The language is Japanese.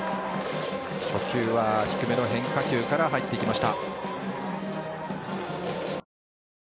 初球は低めの変化球から入っていきました。